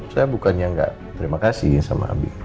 saya bukannya nggak terima kasih sama abi